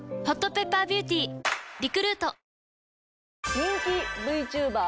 人気ＶＴｕｂｅｒ